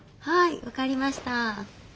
はい分かりました。